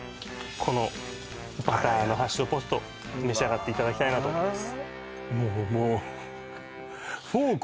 このバターのハッシュドポテト召し上がっていただきたいなと思います